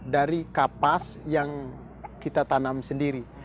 dari kapas yang kita tanam sendiri